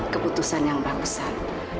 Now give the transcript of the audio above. keputusan yang barusan